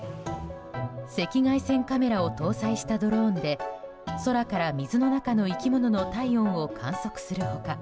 赤外線カメラを搭載したドローンで空から水の中の生き物の体温を観測する他